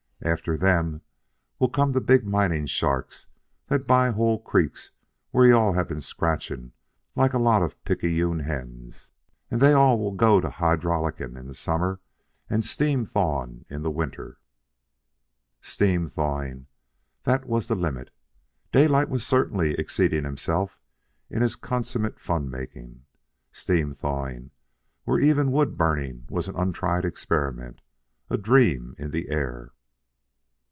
"And after them will come the big mining sharks that buy whole creeks where you all have been scratching like a lot of picayune hens, and they all will go to hydraulicking in summer and steam thawing in winter " Steam thawing! That was the limit. Daylight was certainly exceeding himself in his consummate fun making. Steam thawing when even wood burning was an untried experiment, a dream in the air!